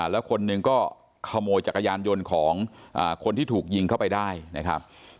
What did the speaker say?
แล้วคนหนึ่งก็ขโมยจักรยานยนต์ของคนที่ถูกยิงเข้าไปได้นะครับ